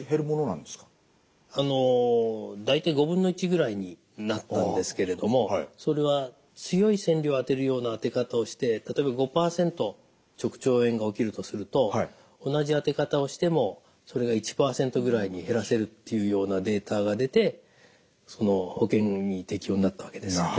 大体５分の１ぐらいになったんですけれどもそれは強い線量を当てるような当て方をして例えば５％直腸炎が起きるとすると同じ当て方をしてもそれが１％ぐらいに減らせるっていうようなデータが出て保険に適用になったわけですね。